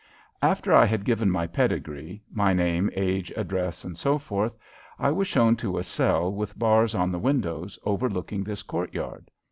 After I had given my pedigree my name, age, address, etc. I was shown to a cell with bars on the windows overlooking this courtyard.